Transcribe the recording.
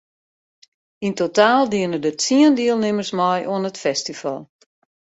Yn totaal diene der tsien dielnimmers mei oan it festival.